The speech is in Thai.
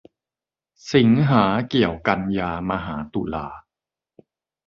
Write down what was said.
สิงหาเกี่ยวกันยามาหาตุลา